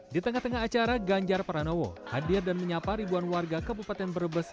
di tengah tengah acara ganjar pranowo hadir dan menyapa ribuan warga kabupaten brebes